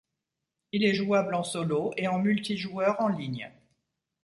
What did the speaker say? Il est jouable en solo et en multijoueur en ligne.